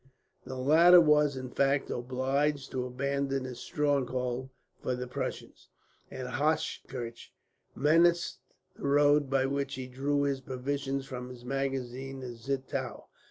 The latter was, in fact, obliged to abandon his stronghold; for the Prussians, at Hochkirch, menaced the road by which he drew his provisions from his magazines at Zittau.